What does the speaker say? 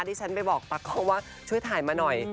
ที่ฉันไปบอกตะก้อว่าช่วยถ่ายมาหน่อย